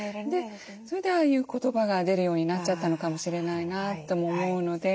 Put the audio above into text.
それでああいう言葉が出るようになっちゃったのかもしれないなとも思うので。